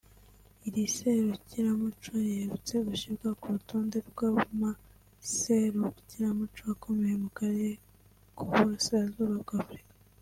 Iri serukiramuco riherutse gushyirwa ku rutonde rw’amaserukiramuco akomeye mu Karere k’Uburasirazuba bw’Afurika